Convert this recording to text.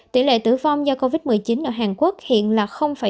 tỷ lệ tử vong do covid một mươi chín ở hàn quốc hiện là chín mươi một